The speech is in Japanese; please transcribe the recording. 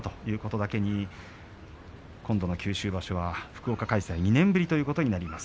ですから今度の九州場所は福岡開催、２年ぶりということになります。